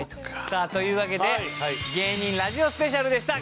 さあというわけで芸人ラジオスペシャルでした。